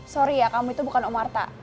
sorry ya kamu itu bukan umarta